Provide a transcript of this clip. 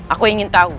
aku ingin tahu